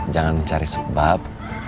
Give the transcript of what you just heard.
jangan mencari sebab